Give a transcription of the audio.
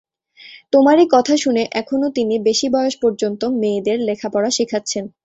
তোমারই কথা শুনে এখনো তিনি বেশি বয়স পর্যন্ত মেয়েদের লেখাপড়া শেখাচ্ছেন।